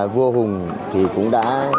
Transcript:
vua hùng thì cũng đã